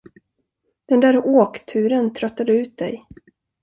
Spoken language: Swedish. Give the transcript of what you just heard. Den där åkturen tröttade ut dig.